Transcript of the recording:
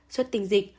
ba xuất tinh dịch